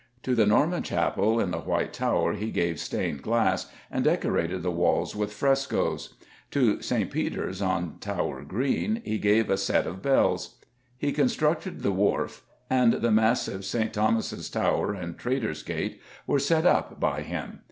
To the Norman Chapel in the White Tower he gave stained glass and decorated the [Illustration: THE PORTCULLIS IN BLOODY TOWER] walls with frescoes; to St. Peter's, on Tower Green, he gave a set of bells. He constructed the Wharf, and the massive St. Thomas's Tower and Traitor's Gate were set up by him.